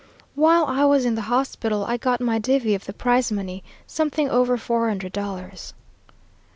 While I was in the hospital I got my divvy of the prize money, something over four hundred dollars."